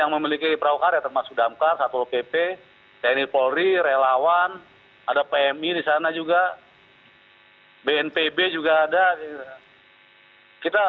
yang memiliki perawakar termasuk damkar satul pp tni polri relawan ada pmi di sana juga bnpb juga ada